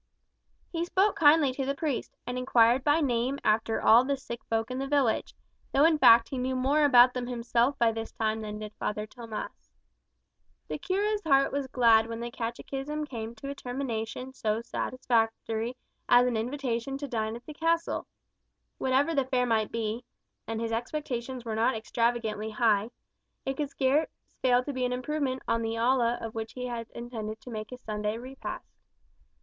He spoke kindly to the priest, and inquired by name after all the sick folk in the village, though in fact he knew more about them himself by this time than did Father Tomas. The cura's heart was glad when the catechism came to a termination so satisfactory as an invitation to dine at the castle. Whatever the fare might be and his expectations were not extravagantly high it could scarce fail to be an improvement on the olla of which he had intended to make his Sunday repast.